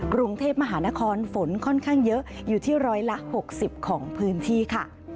กรุงเทพมหานครฝนค่อนข้างเยอะอยู่ที่ร้อยละ๖๐ของพื้นที่ค่ะ